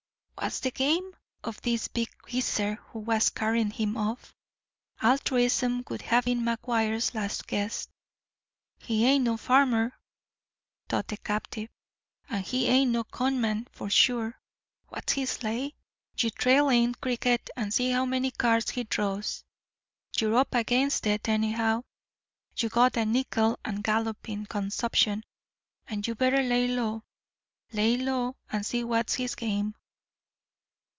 What was the "game" of this big "geezer" who was carrying him off? Altruism would have been McGuire's last guess. "He ain't no farmer," thought the captive, "and he ain't no con man, for sure. W'at's his lay? You trail in, Cricket, and see how many cards he draws. You're up against it, anyhow. You got a nickel and gallopin' consumption, and you better lay low. Lay low and see w'at's his game."